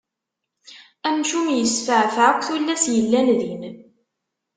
Amcum yesferfeɛ akk tullas yellan din.